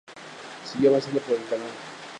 Siguió avanzando por el canal.